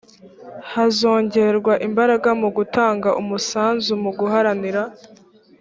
hazongerwa imbaraga mu gutanga umusanzu mu guharanira